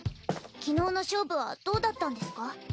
昨日の勝負はどうだったんですか？